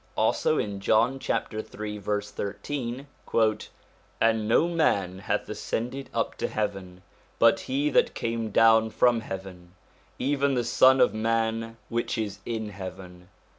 Also in John, chapter 3 verse 13 :' And no man hath ascended up to heaven, but he that came down from heaven, even the Son of man which is in heaven.